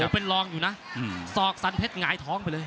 เป็นรองอยู่นะศอกสันเพชรหงายท้องไปเลย